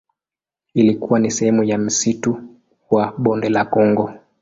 Ilikuwa ni sehemu ya msitu wa Bonde la Kongo.